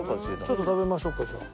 ちょっと食べましょうかじゃあ。